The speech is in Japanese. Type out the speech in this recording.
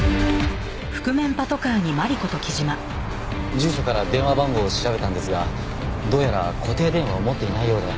住所から電話番号を調べたんですがどうやら固定電話を持っていないようで。